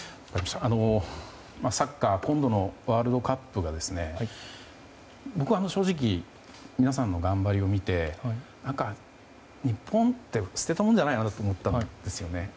サッカー今度のワールドカップが僕は正直、皆さんの頑張りを見て日本って捨てたもんじゃないなと思ったんですね。